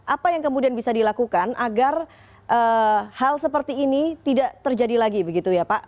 apa yang kemudian bisa dilakukan agar hal seperti ini tidak terjadi lagi begitu ya pak